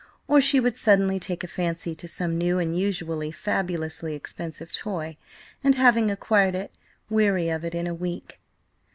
Or she would suddenly take a fancy to some new, and usually fabulously expensive toy, and having acquired it, weary of it in a week.